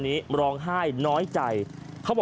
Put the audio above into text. คนที่ไม่เข้าแถวจะไม่ได้นะครับ